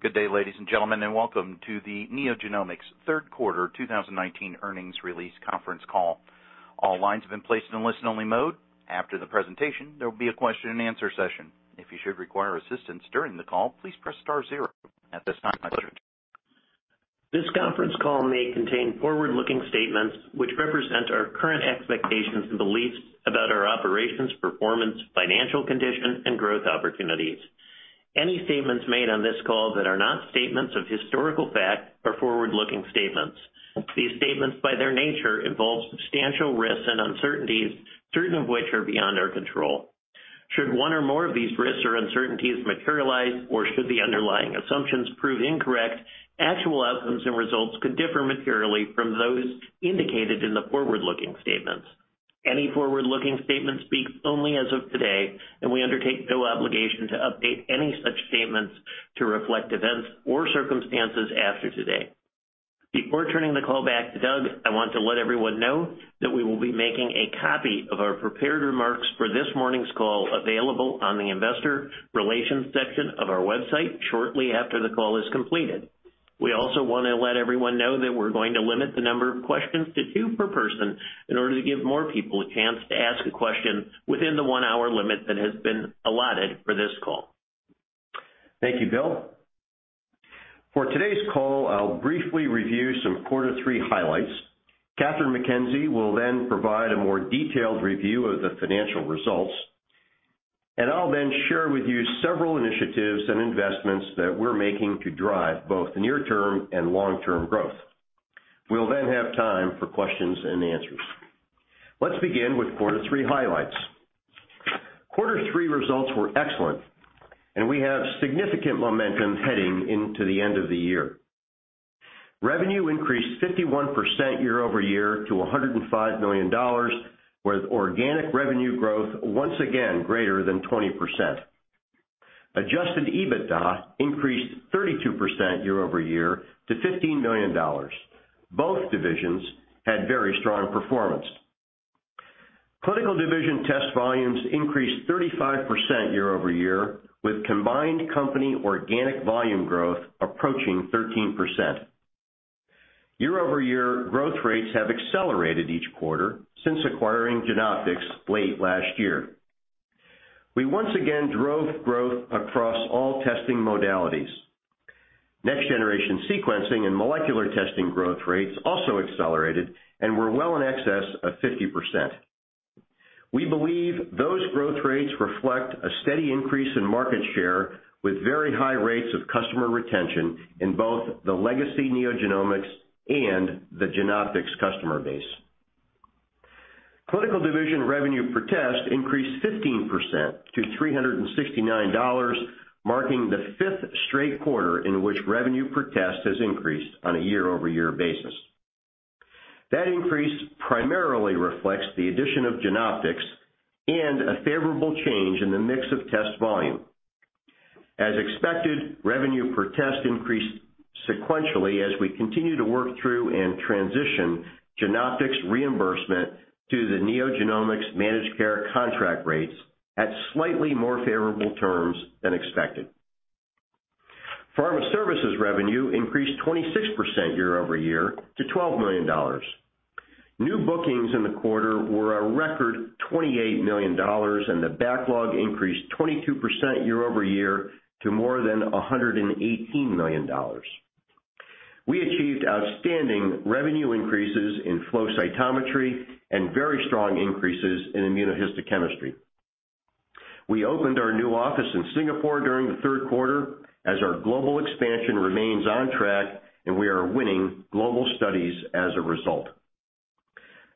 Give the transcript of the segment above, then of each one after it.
Good day, ladies and gentlemen, and welcome to the NeoGenomics third quarter 2019 earnings release conference call. All lines have been placed in listen-only mode. After the presentation, there will be a question and answer session. If you should require assistance during the call, please press star zero. At this time, This conference call may contain forward-looking statements which represent our current expectations and beliefs about our operations, performance, financial condition, and growth opportunities. Any statements made on this call that are not statements of historical fact are forward-looking statements. These statements, by their nature, involve substantial risks and uncertainties, certain of which are beyond our control. Should one or more of these risks or uncertainties materialize, or should the underlying assumptions prove incorrect, actual outcomes and results could differ materially from those indicated in the forward-looking statements. Any forward-looking statements speak only as of today, and we undertake no obligation to update any such statements to reflect events or circumstances after today. Before turning the call back to Doug, I want to let everyone know that we will be making a copy of our prepared remarks for this morning's call available on the investor relations section of our website shortly after the call is completed. We also want to let everyone know that we're going to limit the number of questions to two per person in order to give more people a chance to ask a question within the one-hour limit that has been allotted for this call. Thank you, Bill. For today's call, I'll briefly review some quarter 3 highlights. Kathryn McKenzie will then provide a more detailed review of the financial results. I'll then share with you several initiatives and investments that we're making to drive both the near-term and long-term growth. We'll then have time for questions and answers. Let's begin with quarter 3 highlights. Quarter 3 results were excellent. We have significant momentum heading into the end of the year. Revenue increased 51% year-over-year to $105 million, with organic revenue growth once again greater than 20%. Adjusted EBITDA increased 32% year-over-year to $15 million. Both divisions had very strong performance. Clinical division test volumes increased 35% year-over-year, with combined company organic volume growth approaching 13%. Year-over-year growth rates have accelerated each quarter since acquiring Genoptix late last year. We once again drove growth across all testing modalities. Next-generation sequencing and molecular testing growth rates also accelerated and were well in excess of 50%. We believe those growth rates reflect a steady increase in market share with very high rates of customer retention in both the legacy NeoGenomics and the Genoptix customer base. Clinical division revenue per test increased 15% to $369, marking the fifth straight quarter in which revenue per test has increased on a year-over-year basis. That increase primarily reflects the addition of Genoptix and a favorable change in the mix of test volume. As expected, revenue per test increased sequentially as we continue to work through and transition Genoptix reimbursement to the NeoGenomics managed care contract rates at slightly more favorable terms than expected. Pharma services revenue increased 26% year-over-year to $12 million. New bookings in the quarter were a record $28 million, and the backlog increased 22% year-over-year to more than $118 million. We achieved outstanding revenue increases in flow cytometry and very strong increases in immunohistochemistry. We opened our new office in Singapore during the third quarter as our global expansion remains on track, and we are winning global studies as a result.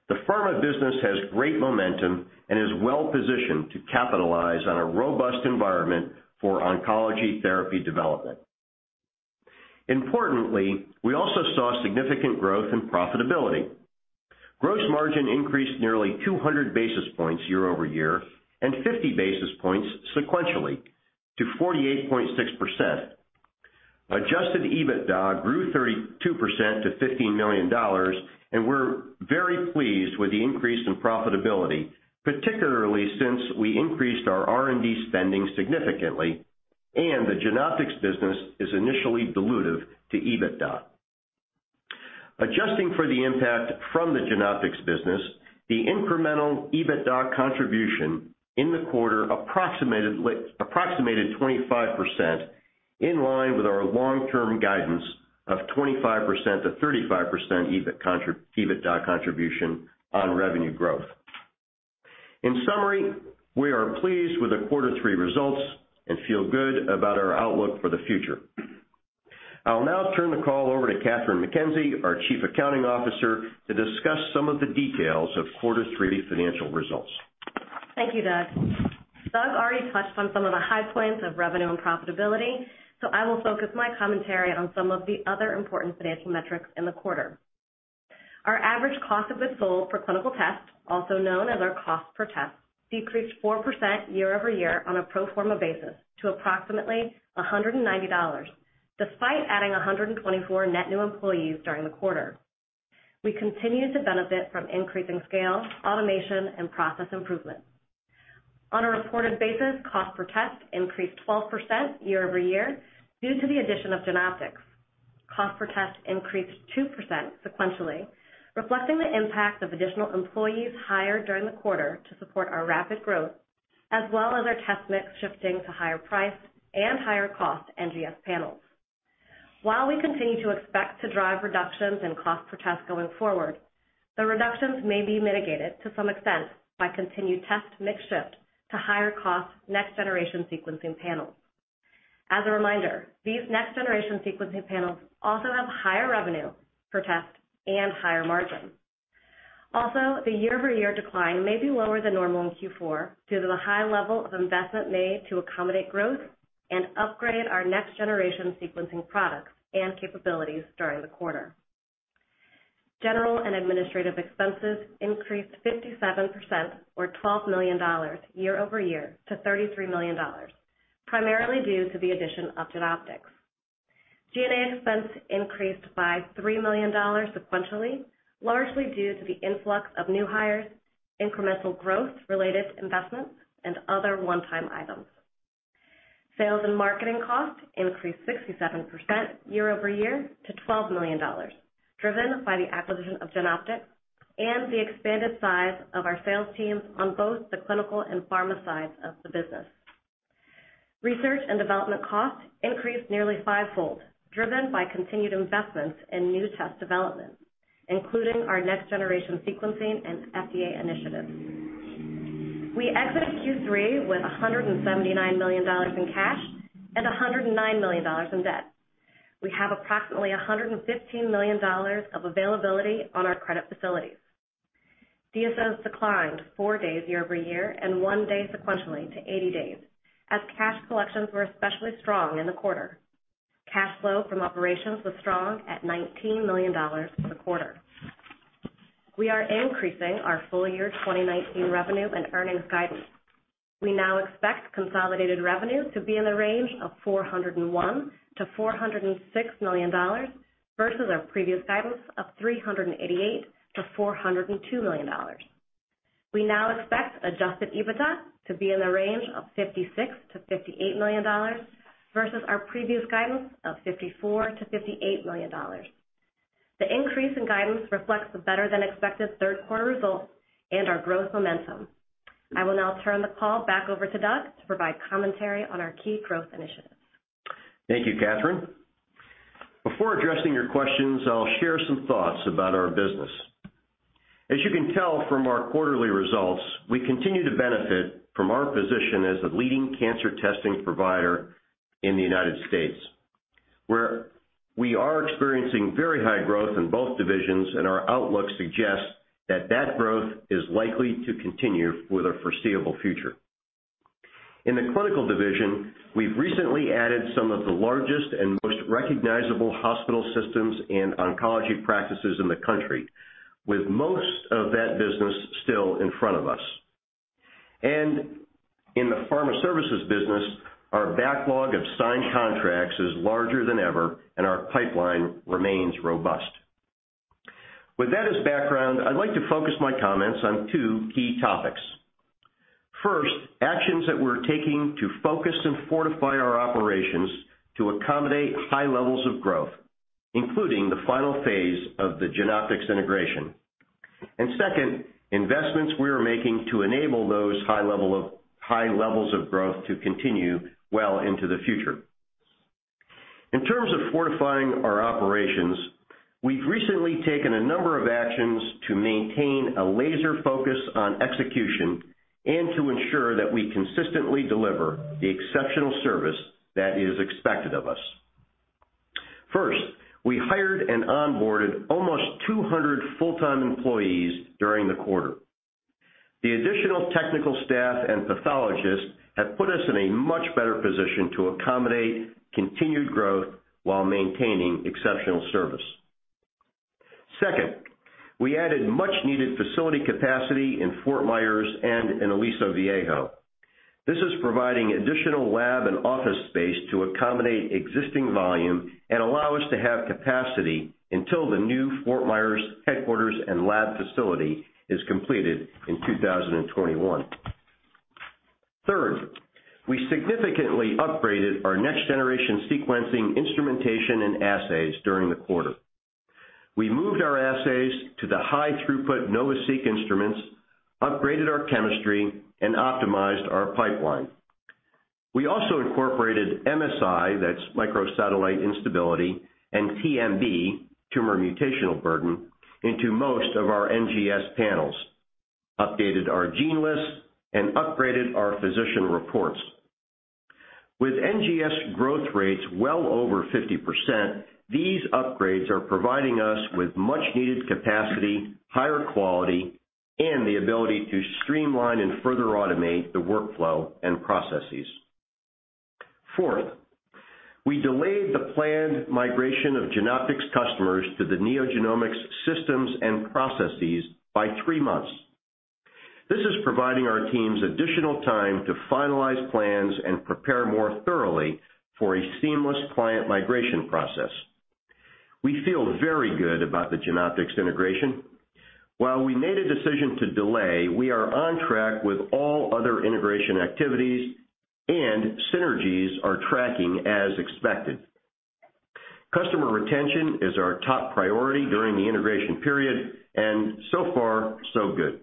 The pharma business has great momentum and is well-positioned to capitalize on a robust environment for oncology therapy development. Importantly, we also saw significant growth in profitability. Gross margin increased nearly 200 basis points year-over-year and 50 basis points sequentially to 48.6%. Adjusted EBITDA grew 32% to $15 million, and we're very pleased with the increase in profitability, particularly since we increased our R&D spending significantly and the Genoptix business is initially dilutive to EBITDA. Adjusting for the impact from the Genoptix business, the incremental EBITDA contribution in the quarter approximated 25%, in line with our long-term guidance of 25%-35% EBITDA contribution on revenue growth. In summary, we are pleased with the quarter three results and feel good about our outlook for the future. I'll now turn the call over to Kathryn McKenzie, our Chief Accounting Officer, to discuss some of the details of quarter three financial results. Thank you, Doug. Doug already touched on some of the high points of revenue and profitability. I will focus my commentary on some of the other important financial metrics in the quarter. Our average cost of goods sold for clinical tests, also known as our cost per test, decreased 4% year-over-year on a pro forma basis to approximately $190, despite adding 124 net new employees during the quarter. We continue to benefit from increasing scale, automation, and process improvement. On a reported basis, cost per test increased 12% year-over-year due to the addition of Genoptix. Cost per test increased 2% sequentially, reflecting the impact of additional employees hired during the quarter to support our rapid growth, as well as our test mix shifting to higher priced and higher cost NGS panels. While we continue to expect to drive reductions in cost per test going forward, the reductions may be mitigated to some extent by continued test mix shift to higher cost next-generation sequencing panels. As a reminder, these next-generation sequencing panels also have higher revenue per test and higher margin. The year-over-year decline may be lower than normal in Q4 due to the high level of investment made to accommodate growth and upgrade our next-generation sequencing products and capabilities during the quarter. General and administrative expenses increased 57%, or $12 million, year-over-year to $33 million, primarily due to the addition of Genoptix. G&A expense increased by $3 million sequentially, largely due to the influx of new hires, incremental growth-related investments, and other one-time items. Sales and marketing costs increased 67% year-over-year to $12 million, driven by the acquisition of Genoptix and the expanded size of our sales teams on both the clinical and pharma sides of the business. Research and development costs increased nearly fivefold, driven by continued investments in new test development, including our next-generation sequencing and FDA initiatives. We exit Q3 with $179 million in cash and $109 million in debt. We have approximately $115 million of availability on our credit facilities. DSOs declined four days year-over-year and one day sequentially to 80 days, as cash collections were especially strong in the quarter. Cash flow from operations was strong at $19 million for the quarter. We are increasing our full year 2019 revenue and earnings guidance. We now expect consolidated revenue to be in the range of $401 million-$406 million versus our previous guidance of $388 million-$402 million. We now expect adjusted EBITDA to be in the range of $56 million-$58 million versus our previous guidance of $54 million-$58 million. The increase in guidance reflects the better-than-expected third quarter results and our growth momentum. I will now turn the call back over to Doug to provide commentary on our key growth initiatives. Thank you, Kathryn. Before addressing your questions, I'll share some thoughts about our business. As you can tell from our quarterly results, we continue to benefit from our position as a leading cancer testing provider in the U.S., where we are experiencing very high growth in both divisions, and our outlook suggests that growth is likely to continue for the foreseeable future. In the clinical division, we've recently added some of the largest and most recognizable hospital systems and oncology practices in the country, with most of that business still in front of us. In the pharma services business, our backlog of signed contracts is larger than ever, and our pipeline remains robust. With that as background, I'd like to focus my comments on two key topics. Actions that we're taking to focus and fortify our operations to accommodate high levels of growth, including the final phase of the Genoptix integration. Second, investments we are making to enable those high levels of growth to continue well into the future. In terms of fortifying our operations, we've recently taken a number of actions to maintain a laser focus on execution and to ensure that we consistently deliver the exceptional service that is expected of us. We hired and onboarded almost 200 full-time employees during the quarter. The additional technical staff and pathologists have put us in a much better position to accommodate continued growth while maintaining exceptional service. We added much needed facility capacity in Fort Myers and in Aliso Viejo. This is providing additional lab and office space to accommodate existing volume and allow us to have capacity until the new Fort Myers headquarters and lab facility is completed in 2021. Third, we significantly upgraded our next-generation sequencing instrumentation and assays during the quarter. We moved our assays to the high throughput NovaSeq instruments, upgraded our chemistry, and optimized our pipeline. We also incorporated MSI, that's microsatellite instability, and TMB, tumor mutational burden, into most of our NGS panels, updated our gene lists, and upgraded our physician reports. With NGS growth rates well over 50%, these upgrades are providing us with much needed capacity, higher quality, and the ability to streamline and further automate the workflow and processes. Fourth, we delayed the planned migration of Genoptix customers to the NeoGenomics systems and processes by three months. This is providing our teams additional time to finalize plans and prepare more thoroughly for a seamless client migration process. We feel very good about the Genoptix integration. While we made a decision to delay, we are on track with all other integration activities, and synergies are tracking as expected. Customer retention is our top priority during the integration period, and so far, so good.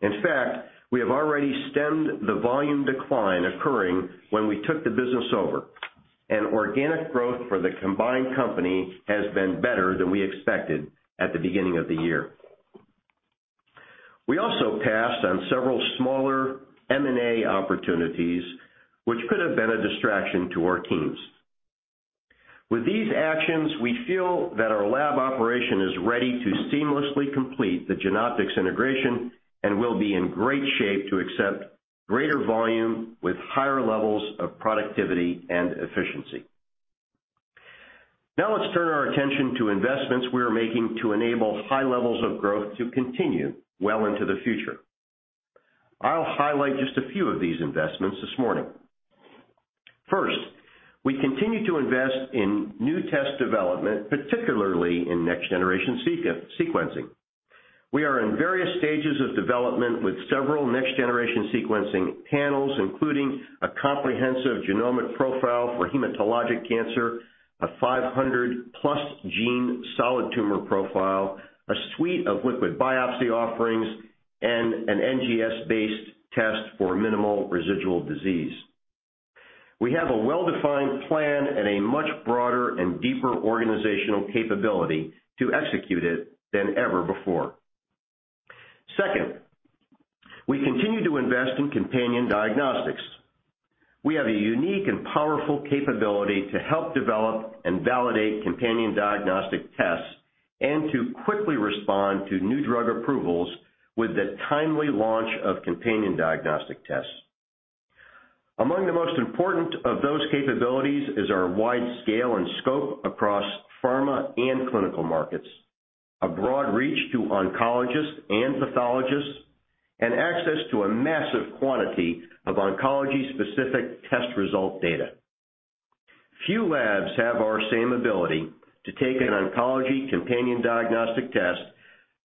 In fact, we have already stemmed the volume decline occurring when we took the business over. Organic growth for the combined company has been better than we expected at the beginning of the year. We also passed on several smaller M&A opportunities, which could have been a distraction to our teams. With these actions, we feel that our lab operation is ready to seamlessly complete the Genoptix integration and will be in great shape to accept greater volume with higher levels of productivity and efficiency. Now let's turn our attention to investments we are making to enable high levels of growth to continue well into the future. I'll highlight just a few of these investments this morning. First, we continue to invest in new test development, particularly in next-generation sequencing. We are in various stages of development with several next-generation sequencing panels, including a comprehensive genomic profile for hematologic cancer, a 500-plus gene solid tumor profile, a suite of liquid biopsy offerings, and an NGS-based test for minimal residual disease. We have a well-defined plan and a much broader and deeper organizational capability to execute it than ever before. Second, we continue to invest in companion diagnostics. We have a unique and powerful capability to help develop and validate companion diagnostic tests and to quickly respond to new drug approvals with the timely launch of companion diagnostic tests. Among the most important of those capabilities is our wide scale and scope across pharma and clinical markets, a broad reach to oncologists and pathologists, and access to a massive quantity of oncology-specific test result data. Few labs have our same ability to take an oncology companion diagnostic test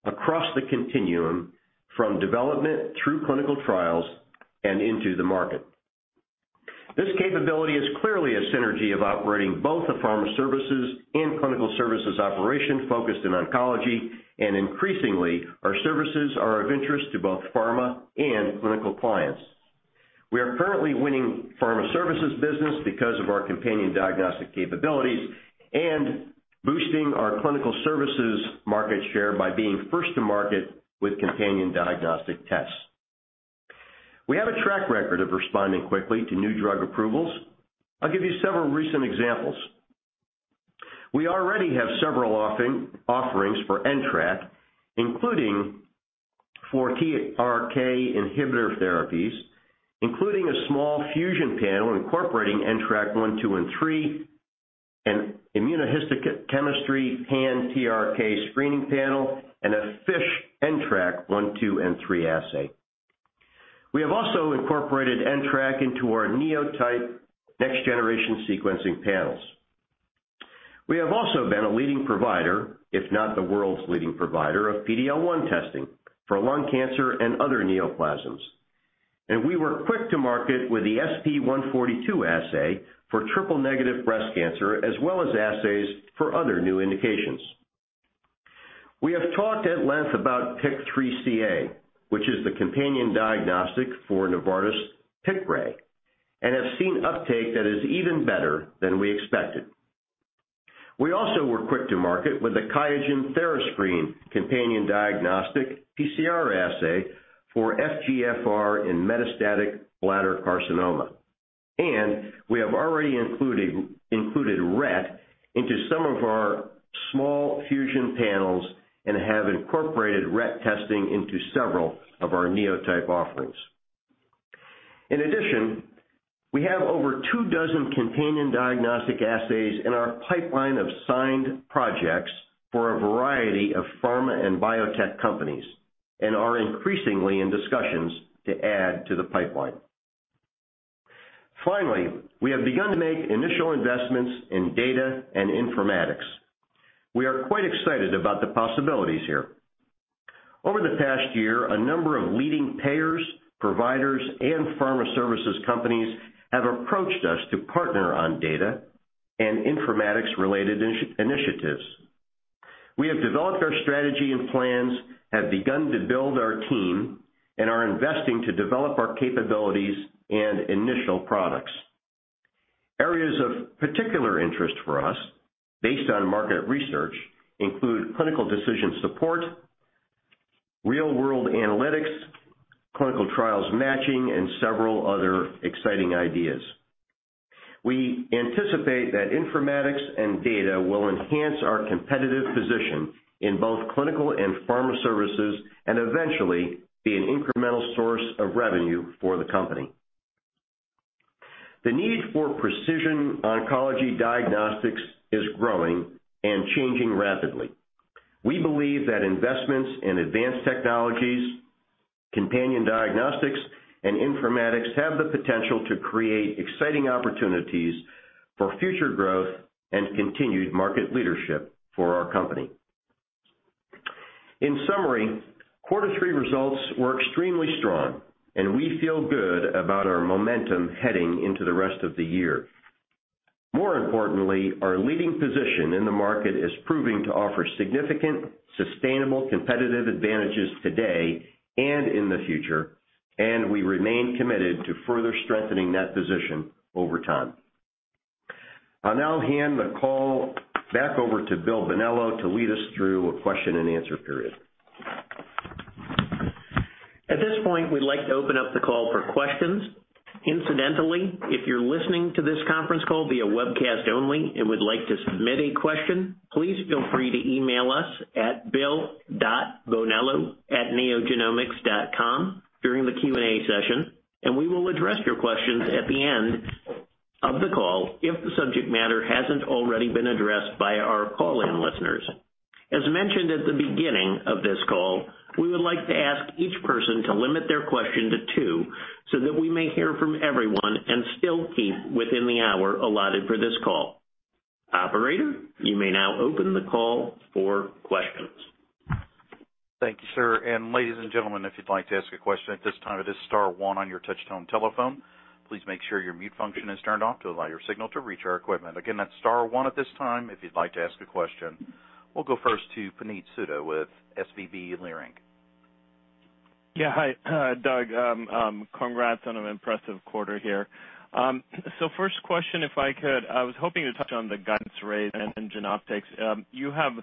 across the continuum from development through clinical trials and into the market. This capability is clearly a synergy of operating both the Pharma Services and Clinical Services operation focused in oncology, and increasingly, our services are of interest to both pharma and clinical clients. We are currently winning Pharma Services business because of our companion diagnostic capabilities and boosting our Clinical Services market share by being first to market with companion diagnostic tests. We have a track record of responding quickly to new drug approvals. I'll give you several recent examples. We already have several offerings for NTRK, including for TRK inhibitor therapies, including a small fusion panel incorporating NTRK1, 2, and 3, an immunohistochemistry pan-TRK screening panel, and a FISH NTRK1, 2, and 3 assay. We have also incorporated NTRK into our NeoTYPE next-generation sequencing panels. We have also been a leading provider, if not the world's leading provider, of PD-L1 testing for lung cancer and other neoplasms. We were quick to market with the SP142 assay for triple-negative breast cancer, as well as assays for other new indications. We have talked at length about PIK3CA, which is the companion diagnostic for Novartis' Piqray and have seen uptake that is even better than we expected. We also were quick to market with the QIAGEN therascreen companion diagnostic PCR assay for FGFR in metastatic bladder carcinoma. We have already included RET into some of our small fusion panels and have incorporated RET testing into several of our NeoTYPE offerings. In addition, we have over 2 dozen companion diagnostic assays in our pipeline of signed projects for a variety of pharma and biotech companies and are increasingly in discussions to add to the pipeline. Finally, we have begun to make initial investments in data and informatics. We are quite excited about the possibilities here. Over the past year, a number of leading payers, providers, and pharma services companies have approached us to partner on data and informatics-related initiatives. We have developed our strategy and plans, have begun to build our team, and are investing to develop our capabilities and initial products. Areas of particular interest for us, based on market research, include clinical decision support, real-world analytics, clinical trials matching, and several other exciting ideas. We anticipate that informatics and data will enhance our competitive position in both clinical and pharma services and eventually be an incremental source of revenue for the company. The need for precision oncology diagnostics is growing and changing rapidly. We believe that investments in advanced technologies companion diagnostics and informatics have the potential to create exciting opportunities for future growth and continued market leadership for our company. In summary, quarter three results were extremely strong, and we feel good about our momentum heading into the rest of the year. More importantly, our leading position in the market is proving to offer significant, sustainable competitive advantages today and in the future, and we remain committed to further strengthening that position over time. I'll now hand the call back over to Bill Bonello to lead us through a question and answer period. At this point, we'd like to open up the call for questions. Incidentally, if you're listening to this conference call via webcast only and would like to submit a question, please feel free to email us at bill.bonello@neogenomics.com during the Q&A session and we will address your questions at the end of the call if the subject matter hasn't already been addressed by our call-in listeners. As mentioned at the beginning of this call, we would like to ask each person to limit their question to two, so that we may hear from everyone and still keep within the hour allotted for this call. Operator, you may now open the call for questions. Thank you, sir. Ladies and gentlemen, if you'd like to ask a question at this time, it is star one on your touch-tone telephone. Please make sure your mute function is turned off to allow your signal to reach our equipment. Again, that's star one at this time if you'd like to ask a question. We'll go first to Puneet Souda with SVB Leerink. Yeah. Hi, Doug. Congrats on an impressive quarter here. First question, if I could. I was hoping to touch on the guidance raise and Genoptix. You have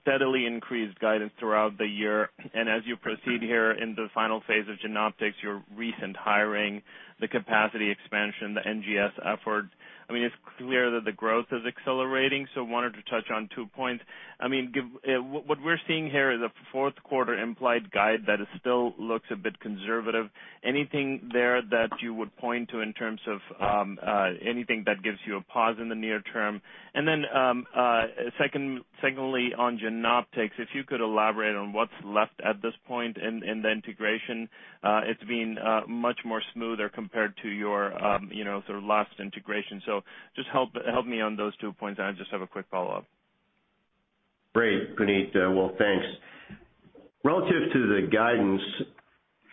steadily increased guidance throughout the year, and as you proceed here in the final phase of Genoptix, your recent hiring, the capacity expansion, the NGS efforts, it's clear that the growth is accelerating. Wanted to touch on two points. What we're seeing here is a fourth quarter implied guide that still looks a bit conservative. Anything there that you would point to in terms of anything that gives you a pause in the near term? Secondly on Genoptix, if you could elaborate on what's left at this point in the integration. It's been much more smoother compared to your last integration. Just help me on those two points, and I just have a quick follow-up. Great, Puneet. Well, thanks. Relative to the guidance,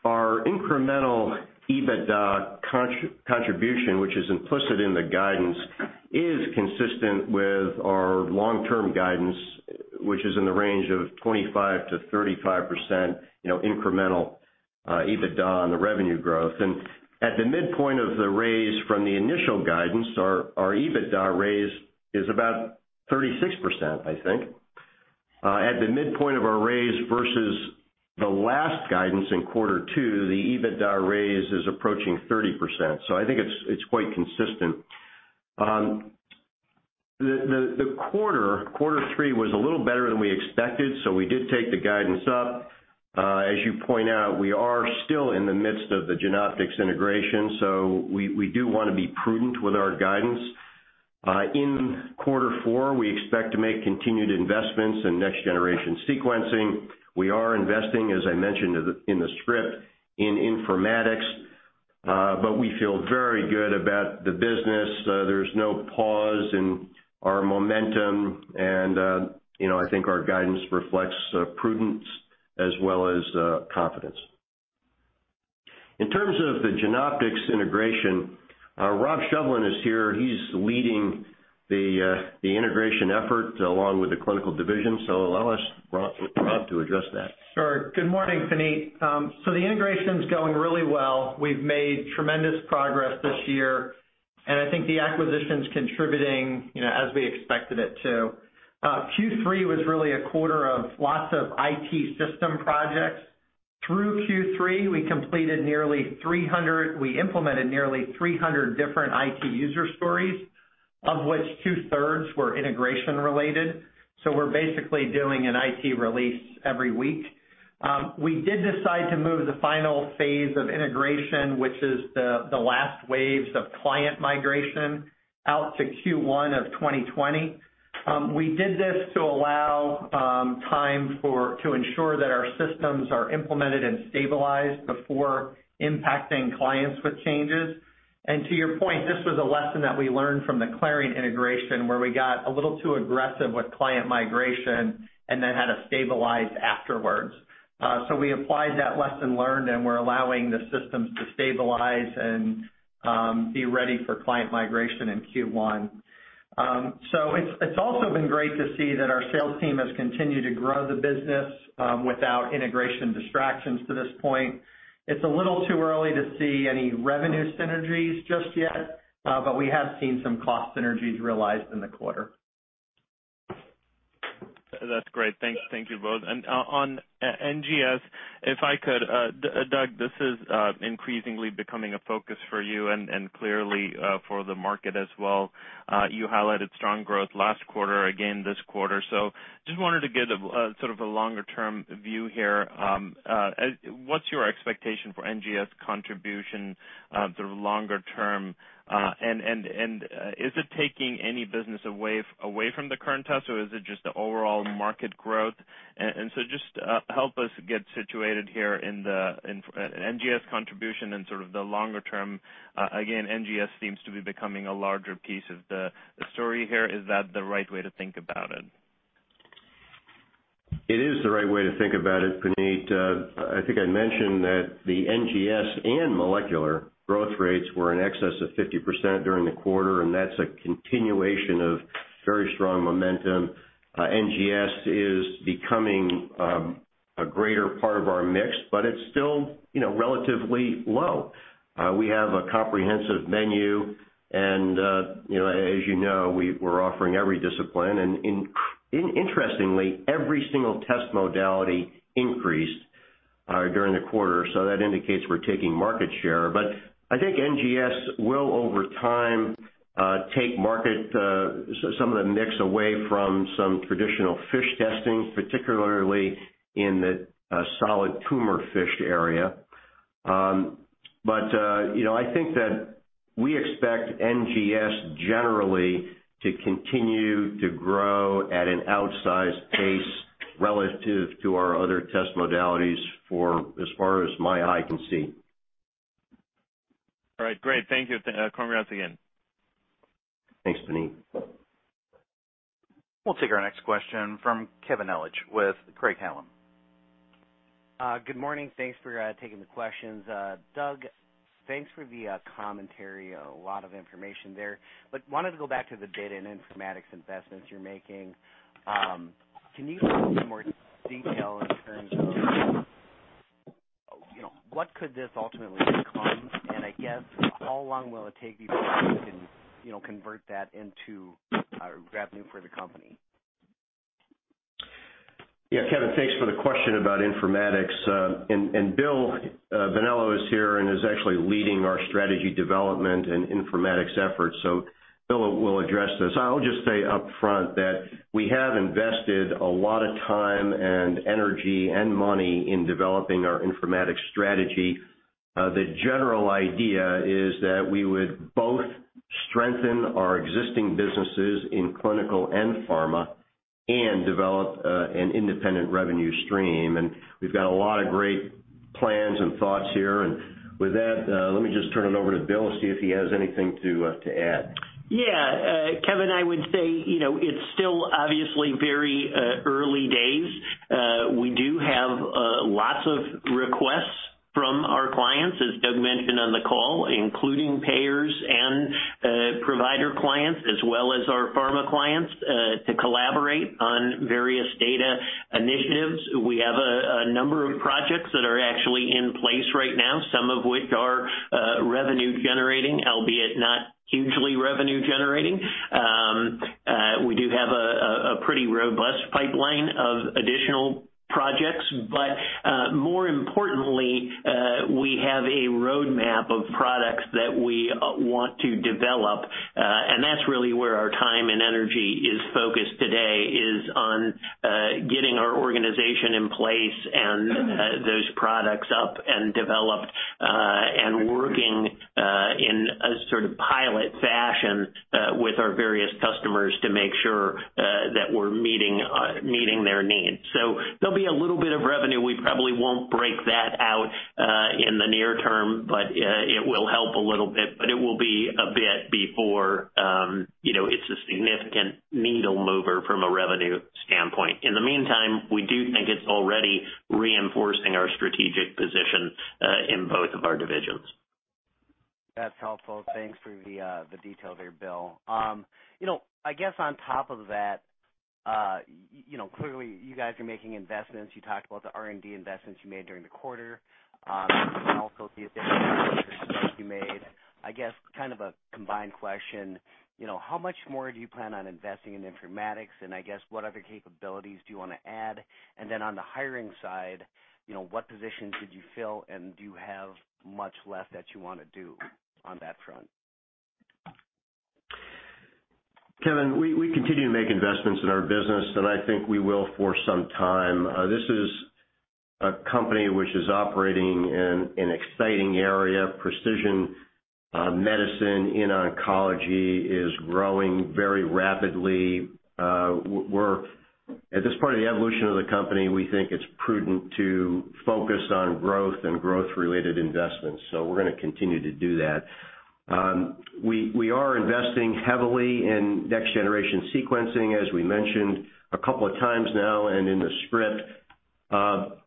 our incremental EBITDA contribution, which is implicit in the guidance, is consistent with our long-term guidance, which is in the range of 25%-35% incremental EBITDA on the revenue growth. At the midpoint of the raise from the initial guidance, our EBITDA raise is about 36%, I think. At the midpoint of our raise versus the last guidance in quarter two, the EBITDA raise is approaching 30%. I think it's quite consistent. The quarter three, was a little better than we expected, so we did take the guidance up. As you point out, we are still in the midst of the Genoptix integration, so we do want to be prudent with our guidance. In quarter four, we expect to make continued investments in next-generation sequencing. We are investing, as I mentioned in the script, in informatics. We feel very good about the business. There's no pause in our momentum and I think our guidance reflects prudence as well as confidence. In terms of the Genoptix integration, Rob Shovlin is here. He's leading the integration effort along with the clinical division. I'll ask Rob to address that. Sure. Good morning, Puneet. The integration's going really well. We've made tremendous progress this year, and I think the acquisition's contributing as we expected it to. Q3 was really a quarter of lots of IT system projects. Through Q3, we implemented nearly 300 different IT user stories, of which two-thirds were integration related. We're basically doing an IT release every week. We did decide to move the final phase of integration, which is the last waves of client migration, out to Q1 of 2020. We did this to allow time to ensure that our systems are implemented and stabilized before impacting clients with changes. To your point, this was a lesson that we learned from the Clarient integration, where we got a little too aggressive with client migration and then had to stabilize afterwards. We applied that lesson learned, and we're allowing the systems to stabilize and be ready for client migration in Q1. It's also been great to see that our sales team has continued to grow the business without integration distractions to this point. It's a little too early to see any revenue synergies just yet. We have seen some cost synergies realized in the quarter. That's great. Thank you both. On NGS, if I could, Doug, this is increasingly becoming a focus for you and clearly for the market as well. You highlighted strong growth last quarter, again this quarter. Just wanted to get a longer-term view here. What's your expectation for NGS contribution longer term? Is it taking any business away from the current test, or is it just the overall market growth? Just help us get situated here in the NGS contribution and the longer term. Again, NGS seems to be becoming a larger piece of the story here. Is that the right way to think about it? It is the right way to think about it, Puneet. I think I mentioned that the NGS and molecular growth rates were in excess of 50% during the quarter, and that's a continuation of very strong momentum. NGS is becoming a greater part of our mix, but it's still relatively low. We have a comprehensive menu and, as you know, we're offering every discipline. Interestingly, every single test modality increased during the quarter. That indicates we're taking market share. I think NGS will, over time, take market, some of the mix away from some traditional FISH testing, particularly in the solid tumor FISH area. I think that we expect NGS generally to continue to grow at an outsized pace relative to our other test modalities for as far as my eye can see. All right, great. Thank you. Puneet Souda again. Thanks, Puneet. We'll take our next question from Kevin Ellich with Craig-Hallum. Good morning. Thanks for taking the questions. Doug, thanks for the commentary. A lot of information there. Wanted to go back to the data and informatics investments you're making. Can you give some more detail in terms of what could this ultimately become, and I guess how long will it take before you can convert that into revenue for the company? Yeah, Kevin, thanks for the question about informatics. William Bonello is here and is actually leading our strategy development and informatics efforts. Bill will address this. I'll just say upfront that we have invested a lot of time and energy and money in developing our informatics strategy. The general idea is that we would both strengthen our existing businesses in clinical and pharma and develop an independent revenue stream. We've got a lot of great plans and thoughts here. With that, let me just turn it over to Bill and see if he has anything to add. Yeah, Kevin, I would say it's still obviously very early days. We do have lots of requests from our clients, as Doug mentioned on the call, including payers and provider clients, as well as our pharma clients, to collaborate on various data initiatives. We have a number of projects that are actually in place right now, some of which are revenue generating, albeit not hugely revenue generating. We do have a pretty robust pipeline of additional projects. More importantly, we have a roadmap of products that we want to develop. That's really where our time and energy is focused today, is on getting our organization in place and those products up and developed, and working in a sort of pilot fashion with our various customers to make sure that we're meeting their needs. There'll be a little bit of revenue. We probably won't break that out in the near term, but it will help a little bit. It will be a bit before it's a significant needle mover from a revenue standpoint. In the meantime, we do think it's already reinforcing our strategic position in both of our divisions. That's helpful. Thanks for the detail there, Bill. I guess on top of that, clearly you guys are making investments. You talked about the R&D investments you made during the quarter and also the investments you made. I guess kind of a combined question, how much more do you plan on investing in informatics and I guess what other capabilities do you want to add? Then on the hiring side, what positions did you fill, and do you have much left that you want to do on that front? Kevin, we continue to make investments in our business, and I think we will for some time. This is a company which is operating in an exciting area. Precision medicine in oncology is growing very rapidly. At this part of the evolution of the company, we think it's prudent to focus on growth and growth-related investments. We're going to continue to do that. We are investing heavily in next-generation sequencing, as we mentioned a couple of times now and in the script.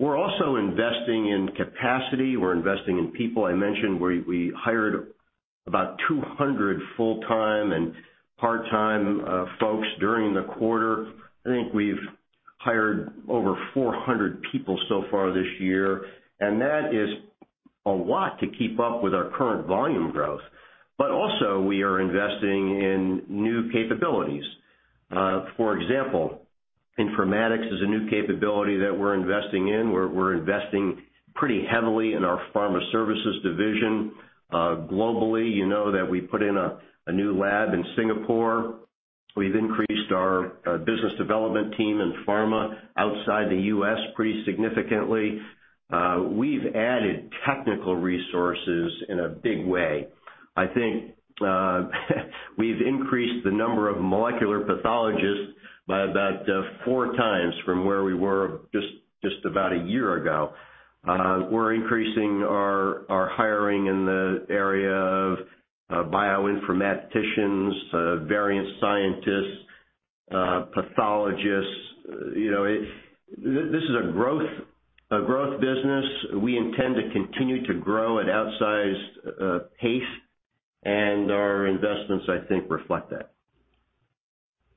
We're also investing in capacity. We're investing in people. I mentioned we hired about 200 full-time and part-time folks during the quarter. I think we've hired over 400 people so far this year, and that is a lot to keep up with our current volume growth. Also, we are investing in new capabilities. For example, informatics is a new capability that we're investing in. We're investing pretty heavily in our Pharma Services Division globally. You know that we put in a new lab in Singapore. We've increased our business development team in pharma outside the U.S. pretty significantly. We've added technical resources in a big way. I think we've increased the number of molecular pathologists by about four times from where we were just about a year ago. We're increasing our hiring in the area of bioinformaticians, variant scientists, pathologists. This is a growth business. We intend to continue to grow at outsized pace, and our investments, I think, reflect that.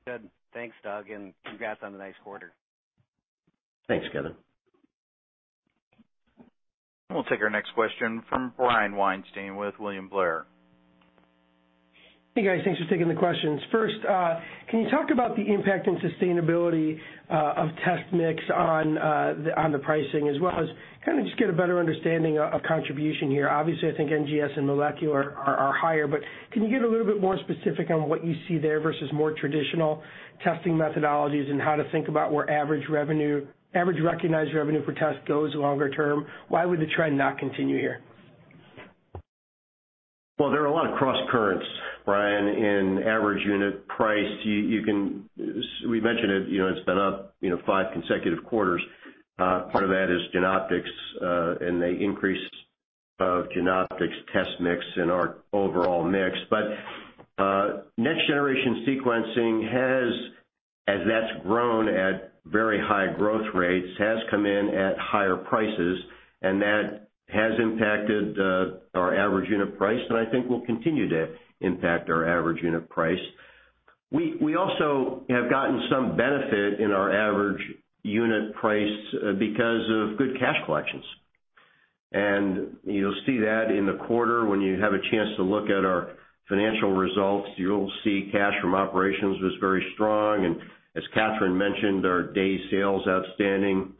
Good. Thanks, Doug, and congrats on the nice quarter. Thanks, Kevin. We'll take our next question from Brian Weinstein with William Blair. Hey, guys. Thanks for taking the questions. First, can you talk about the impact and sustainability of test mix on the pricing as well as just get a better understanding of contribution here? Obviously, I think NGS and molecular are higher. Can you get a little bit more specific on what you see there versus more traditional testing methodologies and how to think about where average recognized revenue per test goes longer term? Why would the trend not continue here? Well, there are a lot of crosscurrents, Brian, in average unit price. We mentioned it's been up five consecutive quarters. Part of that is Genoptix, and the increase of Genoptix test mix in our overall mix. Next-generation sequencing has, as that's grown at very high growth rates, has come in at higher prices, and that has impacted our average unit price, and I think will continue to impact our average unit price. We also have gotten some benefit in our average unit price because of good cash collections. You'll see that in the quarter when you have a chance to look at our financial results, you'll see cash from operations was very strong. As Kathryn mentioned, our Days Sales Outstanding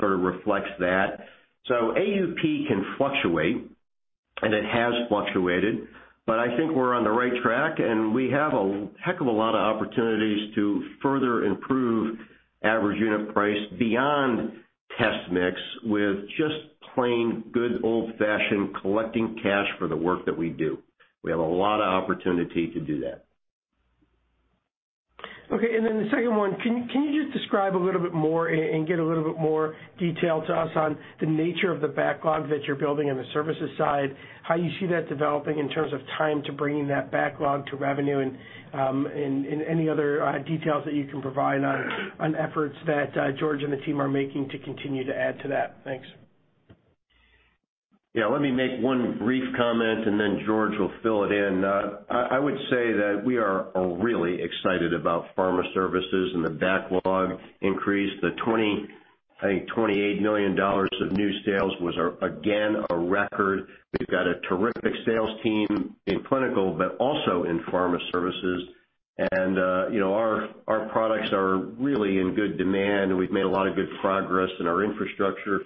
sort of reflects that. AUP can fluctuate, and it has fluctuated, but I think we're on the right track, and we have a heck of a lot of opportunities to further improve average unit price beyond test mix with just plain good old-fashioned collecting cash for the work that we do. We have a lot of opportunity to do that. Okay. The second one, can you just describe a little bit more and get a little bit more detail to us on the nature of the backlog that you're building on the services side, how you see that developing in terms of time to bringing that backlog to revenue, and any other details that you can provide on efforts that George and the team are making to continue to add to that? Thanks. Yeah. Let me make one brief comment, and then George will fill it in. I would say that we are all really excited about pharma services and the backlog increase. The $28 million of new sales was, again, a record. We've got a terrific sales team in clinical, but also in pharma services. Our products are really in good demand, and we've made a lot of good progress in our infrastructure.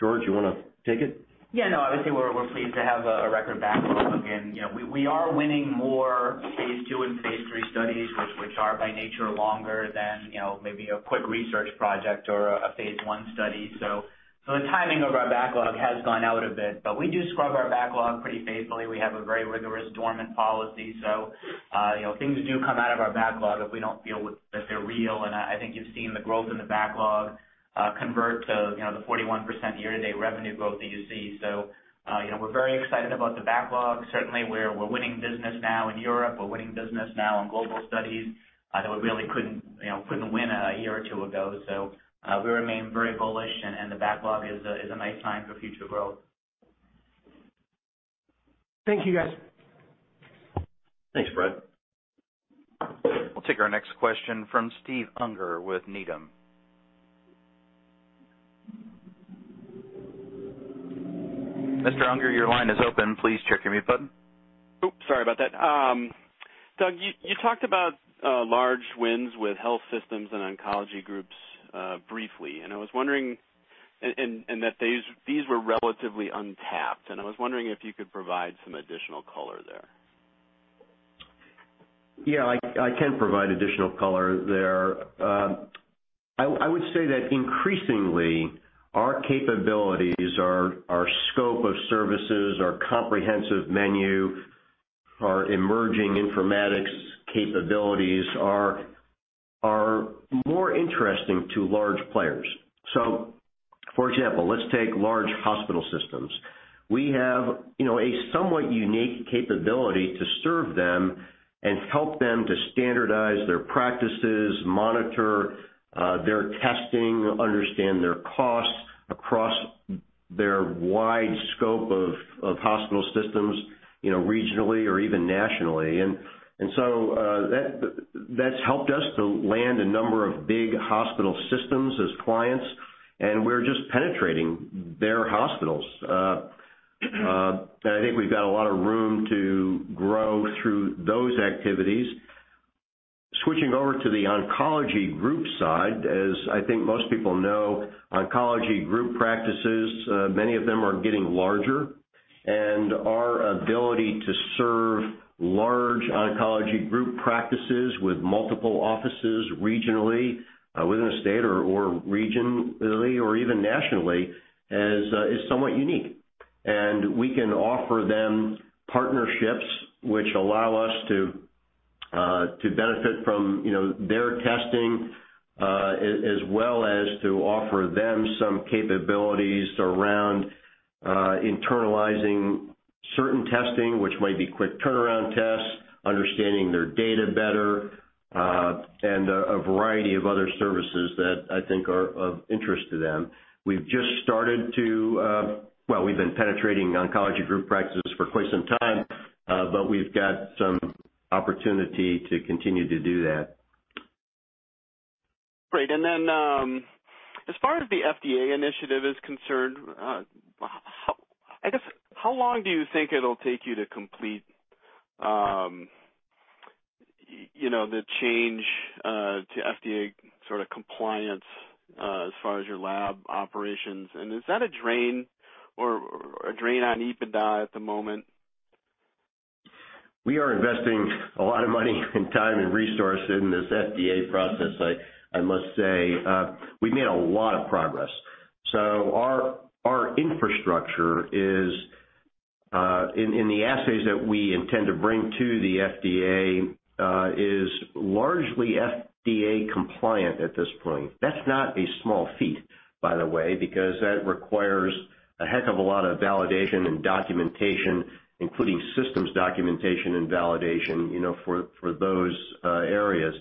George, you want to take it? Yeah, no, I would say we're pleased to have a record backlog again. We are winning more phase II and phase III studies, which are by nature longer than maybe a quick research project or a phase I study. The timing of our backlog has gone out a bit, but we do scrub our backlog pretty faithfully. We have a very rigorous dormant policy. Things do come out of our backlog if we don't feel that they're real, and I think you've seen the growth in the backlog convert to the 41% year-to-date revenue growth that you see. We're very excited about the backlog. Certainly, we're winning business now in Europe. We're winning business now on global studies that we really couldn't win a year or two ago. We remain very bullish, and the backlog is a nice sign for future growth. Thank you, guys. Thanks, Brian. We'll take our next question from Steve Unger with Needham. Mr. Unger, your line is open. Please check your mute button. Oops, sorry about that. Doug, you talked about large wins with health systems and oncology groups briefly, and that these were relatively untapped, and I was wondering if you could provide some additional color there. Yeah, I can provide additional color there. I would say that increasingly, our capabilities, our scope of services, our comprehensive menu, our emerging informatics capabilities are more interesting to large players. For example, let's take large hospital systems. We have a somewhat unique capability to serve them and help them to standardize their practices, monitor their testing, understand their costs across their wide scope of hospital systems regionally or even nationally. That's helped us to land a number of big hospital systems as clients, and we're just penetrating their hospitals. I think we've got a lot of room to grow through those activities. Switching over to the oncology group side, as I think most people know, oncology group practices, many of them are getting larger, and our ability to serve large oncology group practices with multiple offices regionally within a state or region really, or even nationally, is somewhat unique. We can offer them partnerships which allow us to benefit from their testing as well as to offer them some capabilities around internalizing certain testing, which might be quick turnaround tests, understanding their data better, and a variety of other services that I think are of interest to them. We've been penetrating oncology group practices for quite some time, but we've got some opportunity to continue to do that. Great. As far as the FDA initiative is concerned, I guess, how long do you think it'll take you to complete the change to FDA compliance as far as your lab operations? Is that a drain on EBITDA at the moment? We are investing a lot of money and time and resources in this FDA process, I must say. We've made a lot of progress. Our infrastructure in the assays that we intend to bring to the FDA, is largely FDA compliant at this point. That's not a small feat, by the way, because that requires a heck of a lot of validation and documentation, including systems documentation and validation, for those areas.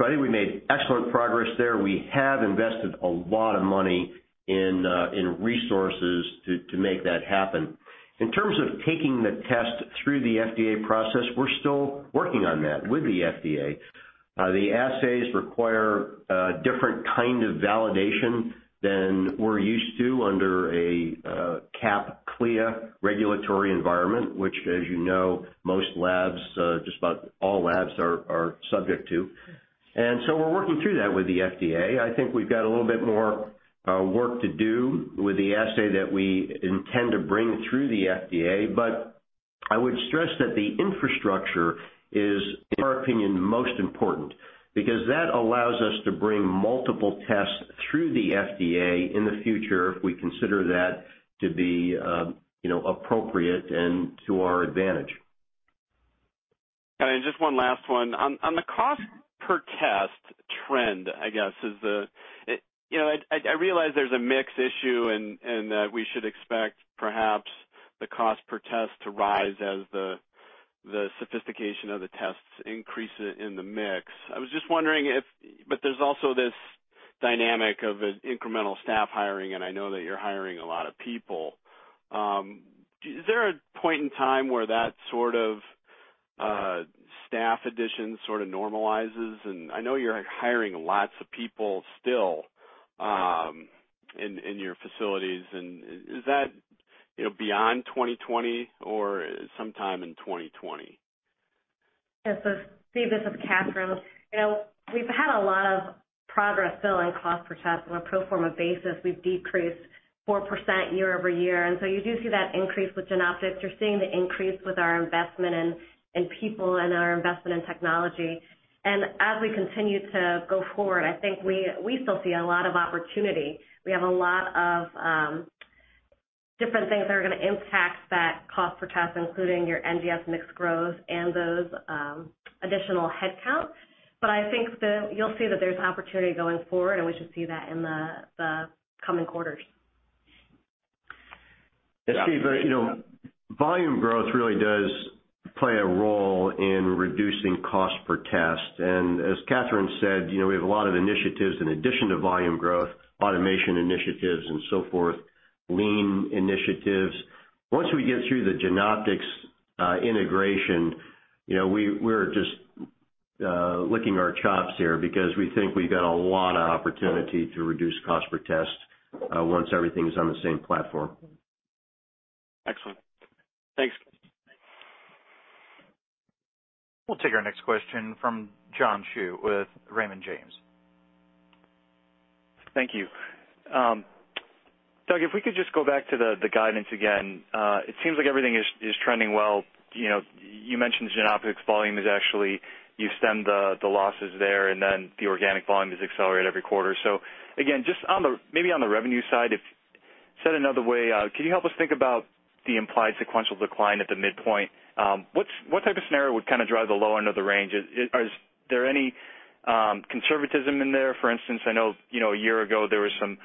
I think we made excellent progress there. We have invested a lot of money in resources to make that happen. In terms of taking the test through the FDA process, we're still working on that with the FDA. The assays require a different kind of validation than we're used to under a CAP/CLIA regulatory environment, which, as you know, most labs, just about all labs are subject to. We're working through that with the FDA. I think we've got a little bit more work to do with the assay that we intend to bring through the FDA. I would stress that the infrastructure is, in our opinion, most important, because that allows us to bring multiple tests through the FDA in the future if we consider that to be appropriate and to our advantage. Then just one last one. On the cost per test trend, I guess, I realize there's a mix issue and that we should expect perhaps the cost per test to rise as the sophistication of the tests increase in the mix. I was just wondering if But there's also this dynamic of incremental staff hiring, and I know that you're hiring a lot of people. Is there a point in time where that sort of staff addition normalizes? I know you're hiring lots of people still in your facilities. Is that beyond 2020 or sometime in 2020? Yes. Steve, this is Kathryn. We've had a lot of progress still on cost per test. On a pro forma basis, we've decreased 4% year-over-year, you do see that increase with Genoptix. You're seeing the increase with our investment in people and our investment in technology. As we continue to go forward, I think we still see a lot of opportunity. We have a lot of different things that are going to impact that cost per test, including your NGS mix growth and those additional headcounts. I think you'll see that there's opportunity going forward, and we should see that in the coming quarters. Yeah, Steve, volume growth really does play a role in reducing cost per test, and as Kathryn said, we have a lot of initiatives in addition to volume growth, automation initiatives and so forth, lean initiatives. Once we get through the Genoptix integration, we're just licking our chops here because we think we've got a lot of opportunity to reduce cost per test once everything's on the same platform. Excellent. Thanks. We'll take our next question from John Chu with Raymond James. Thank you. Doug, if we could just go back to the guidance again. It seems like everything is trending well. You mentioned Genoptix volume is actually You extend the losses there, and then the organic volume is accelerated every quarter. Again, just maybe on the revenue side, said another way, can you help us think about the implied sequential decline at the midpoint? What type of scenario would drive the low end of the range? Is there any conservatism in there? For instance, I know a year ago, there was some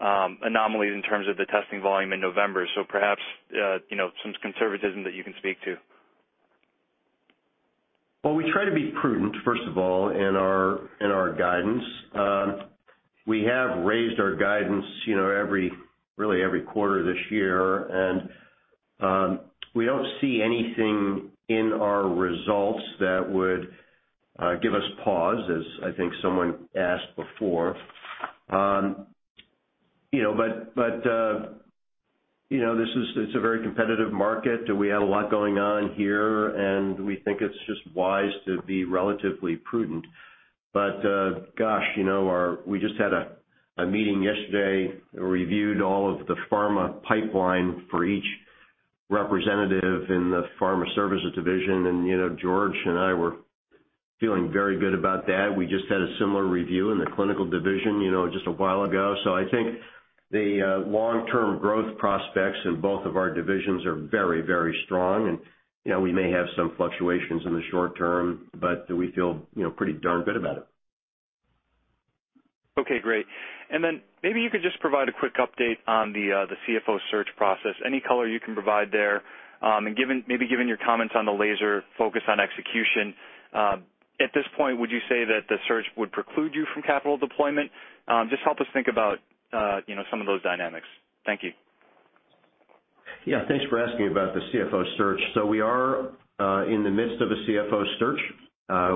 anomalies in terms of the testing volume in November. Perhaps, some conservatism that you can speak to. Well, we try to be prudent, first of all, in our guidance. We have raised our guidance really every quarter this year, and we don't see anything in our results that would give us pause, as I think someone asked before. This is a very competitive market. We have a lot going on here, and we think it's just wise to be relatively prudent. Gosh, we just had a meeting yesterday, reviewed all of the pharma pipeline for each representative in the Pharma Services Division, and George and I were feeling very good about that. We just had a similar review in the Clinical Division just a while ago. I think the long-term growth prospects in both of our divisions are very strong, and we may have some fluctuations in the short term, but we feel pretty darn good about it. Okay, great. Then maybe you could just provide a quick update on the CFO search process, any color you can provide there. Maybe given your comments on the laser focus on execution, at this point, would you say that the search would preclude you from capital deployment? Just help us think about some of those dynamics. Thank you. Yeah. Thanks for asking about the CFO search. We are in the midst of a CFO search.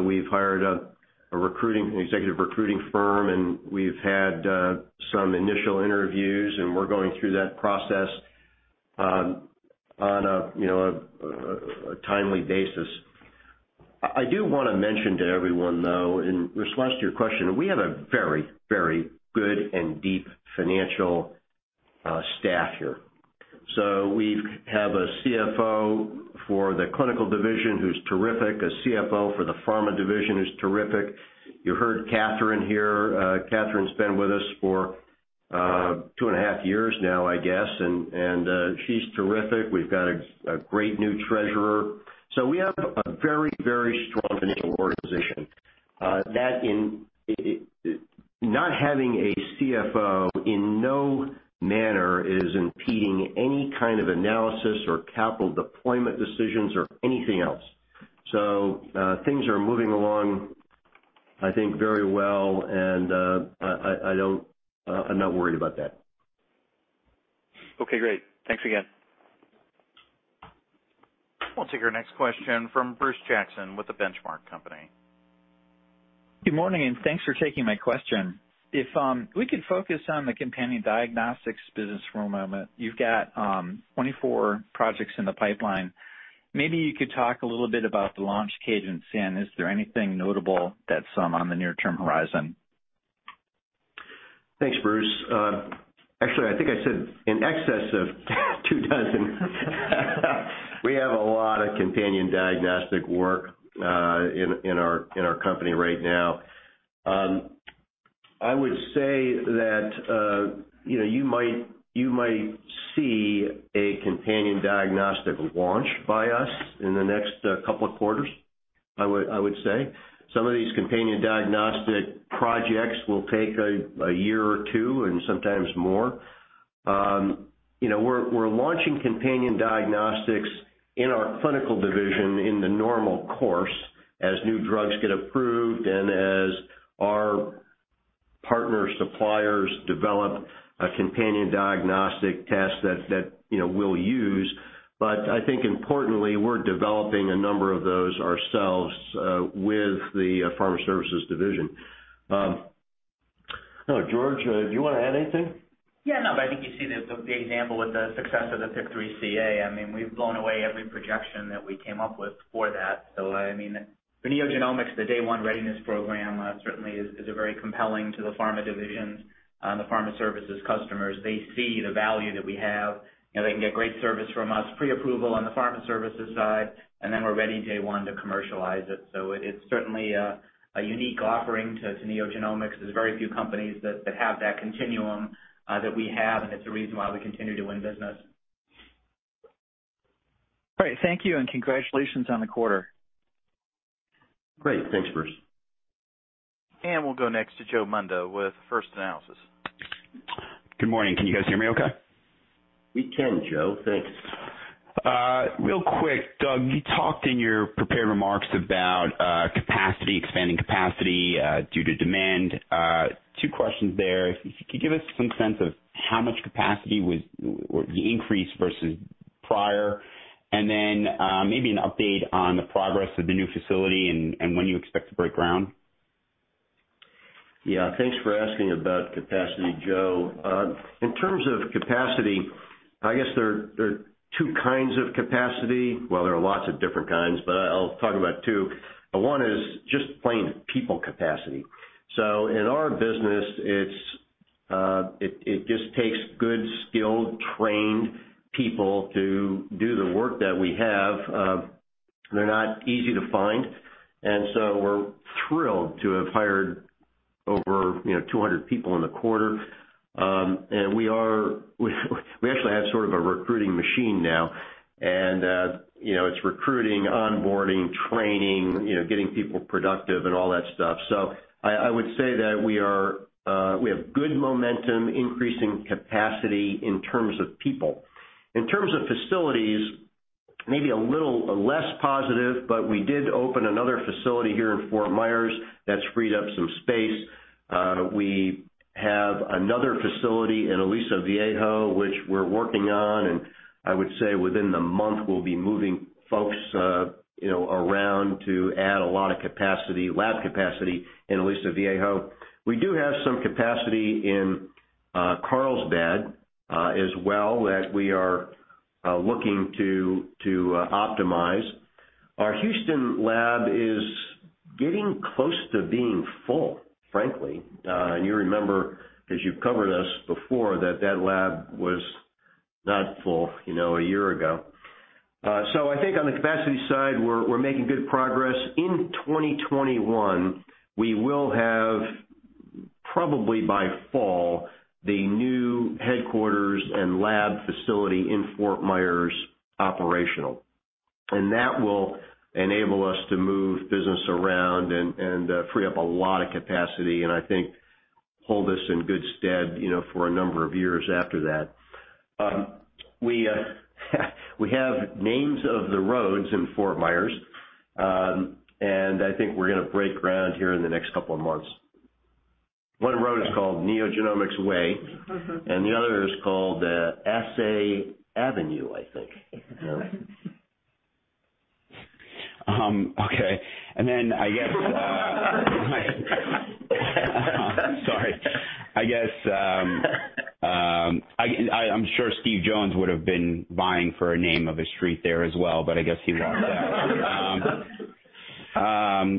We've hired an executive recruiting firm, and we've had some initial interviews, and we're going through that process on a timely basis. I do want to mention to everyone, though, in response to your question, we have a very good and deep financial staff here. We have a CFO for the clinical division who's terrific, a CFO for the pharma division who's terrific. You heard Kathryn here. Kathryn's been with us for two and a half years now, I guess, and she's terrific. We've got a great new treasurer. We have a very strong financial organization. Not having a CFO in no manner is impeding any kind of analysis or capital deployment decisions or anything else. Things are moving along, I think, very well and I'm not worried about that. Okay, great. Thanks again. We'll take our next question from Bruce Jackson with The Benchmark Company. Good morning. Thanks for taking my question. If we could focus on the companion diagnostics business for a moment. You've got 24 projects in the pipeline. Maybe you could talk a little bit about the launch cadence and is there anything notable that's on the near-term horizon? Thanks, Bruce. Actually, I think I said in excess of two dozen. We have a lot of companion diagnostic work in our company right now. I would say that you might see a companion diagnostic launch by us in the next couple of quarters, I would say. Some of these companion diagnostic projects will take a year or two and sometimes more. We're launching companion diagnostics in our clinical division in the normal course as new drugs get approved and as our partner suppliers develop a companion diagnostic test that we'll use. I think importantly, we're developing a number of those ourselves with the Pharma Services Division. George, do you want to add anything? Yeah. I think you see the example with the success of the PIK3CA. We've blown away every projection that we came up with for that. For NeoGenomics, the Day One Readiness Program certainly is very compelling to the pharma divisions and the pharma services customers. They see the value that we have. They can get great service from us, pre-approval on the pharma services side, and then we're ready day one to commercialize it. It's certainly a unique offering to NeoGenomics. There's very few companies that have that continuum that we have, and it's the reason why we continue to win business. Great. Thank you, and congratulations on the quarter. Great. Thanks, Bruce. We'll go next to Joe Munda with First Analysis. Good morning. Can you guys hear me okay? We can, Joe. Thanks. Real quick, Doug, you talked in your prepared remarks about expanding capacity due to demand. Two questions there. If you could give us some sense of how much capacity was the increase versus prior, and then maybe an update on the progress of the new facility and when you expect to break ground. Thanks for asking about capacity, Joe. In terms of capacity, I guess there are 2 kinds of capacity. Well, there are lots of different kinds, but I'll talk about 2. One is just plain people capacity. In our business, it just takes good, skilled, trained people to do the work that we have. They're not easy to find, we're thrilled to have hired over 200 people in the quarter. We actually have sort of a recruiting machine now. It's recruiting, onboarding, training, getting people productive, and all that stuff. I would say that we have good momentum, increasing capacity in terms of people. In terms of facilities, maybe a little less positive, we did open another facility here in Fort Myers that's freed up some space. We have another facility in Aliso Viejo, which we're working on. I would say within the month, we'll be moving folks around to add a lot of lab capacity in Aliso Viejo. We do have some capacity in Carlsbad as well that we are looking to optimize. Our Houston lab is getting close to being full, frankly. You remember, as you've covered us before, that that lab was not full a year ago. I think on the capacity side, we're making good progress. In 2021, we will have, probably by fall, the new headquarters and lab facility in Fort Myers operational. That will enable us to move business around and free up a lot of capacity, and I think hold us in good stead for a number of years after that. We have names of the roads in Fort Myers, and I think we're going to break ground here in the next couple of months. One road is called NeoGenomics Way, and the other is called Assay Avenue, I think. Sorry. I'm sure Steve Jones would've been vying for a name of a street there as well. I guess he lost out.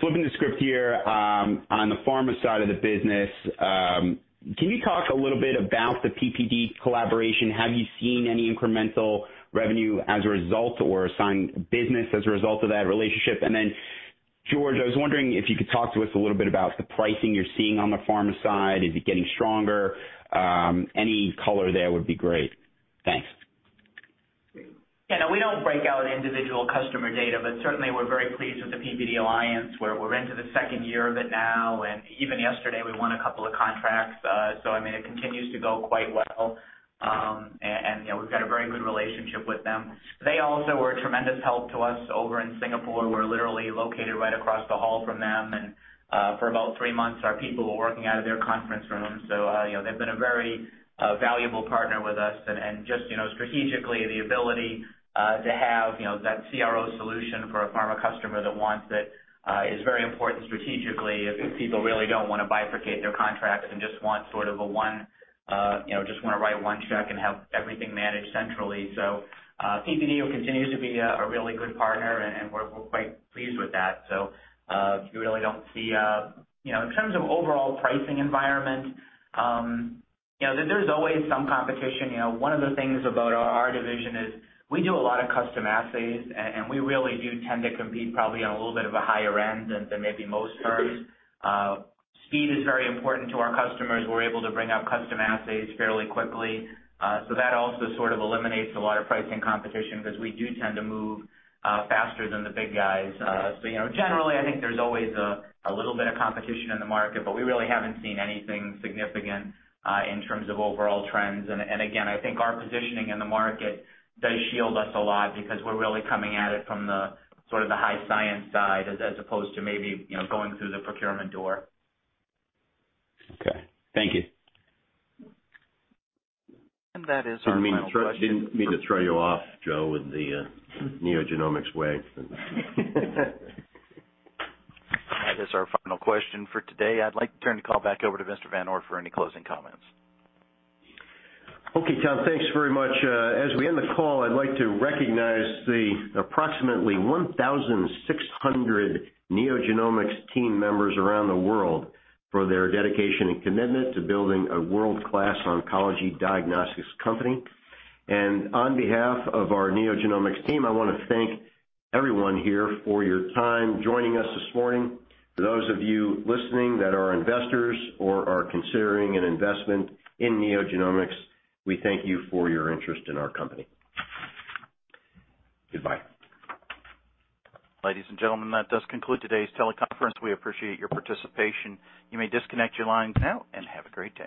Flipping the script here, on the pharma side of the business, can you talk a little bit about the PPD collaboration? Have you seen any incremental revenue as a result or signed business as a result of that relationship? George, I was wondering if you could talk to us a little bit about the pricing you're seeing on the pharma side. Is it getting stronger? Any color there would be great. Thanks. Yeah, no, we don't break out individual customer data, but certainly we're very pleased with the PPD alliance where we're into the 2nd year of it now, and even yesterday we won a couple of contracts. I mean, it continues to go quite well. We've got a very good relationship with them. They also were a tremendous help to us over in Singapore. We're literally located right across the hall from them, and for about 3 months our people were working out of their conference room. They've been a very valuable partner with us and just strategically, the ability to have that CRO solution for a pharma customer that wants it is very important strategically if people really don't want to bifurcate their contracts and just want to write one check and have everything managed centrally. PPD continues to be a really good partner, and we're quite pleased with that. We really don't see In terms of overall pricing environment, there's always some competition. One of the things about our division is we do a lot of custom assays, and we really do tend to compete probably on a little bit of a higher end than maybe most firms. Speed is very important to our customers. We're able to bring out custom assays fairly quickly. That also sort of eliminates a lot of pricing competition because we do tend to move faster than the big guys. Generally, I think there's always a little bit of competition in the market, but we really haven't seen anything significant in terms of overall trends. Again, I think our positioning in the market does shield us a lot because we're really coming at it from the sort of the high science side as opposed to maybe going through the procurement door. Okay. Thank you. That is our final question. Didn't mean to throw you off, Joe, with the NeoGenomics way. That is our final question for today. I'd like to turn the call back over to Mr. Douglas VanOort for any closing comments. Okay, Tom, thanks very much. As we end the call, I'd like to recognize the approximately 1,600 NeoGenomics team members around the world for their dedication and commitment to building a world-class oncology diagnostics company. On behalf of our NeoGenomics team, I want to thank everyone here for your time joining us this morning. For those of you listening that are investors or are considering an investment in NeoGenomics, we thank you for your interest in our company. Goodbye. Ladies and gentlemen, that does conclude today's teleconference. We appreciate your participation. You may disconnect your lines now and have a great day.